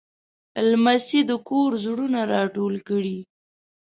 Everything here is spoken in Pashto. لمسی د کور زړونه راټول کړي.